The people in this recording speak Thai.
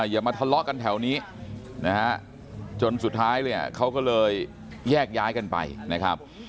อย่ามาทะเลาะกันแถวนี้นะฮะจนสุดท้ายเนี่ยเขาก็เลยแยกย้ายกันไปนะครับ